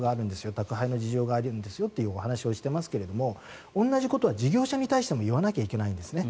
宅配の事情があるんですよというお話をしてるんですけど同じことは事業者に対しても言わないといけないんですね。